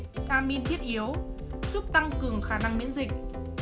vitamin thiết yếu giúp tăng cường khả năng miễn dịch